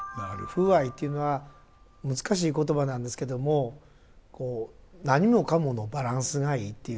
風合いというのは難しい言葉なんですけどもこう何もかものバランスがいいということでしょうかね。